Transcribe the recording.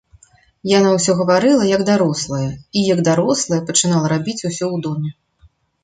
Яна ўсё гаварыла, як дарослая, і, як дарослая, пачынала рабіць усё ў доме.